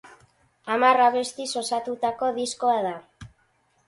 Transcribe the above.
Hamar abestiz osatutako diskoa da.